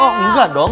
oh enggak dong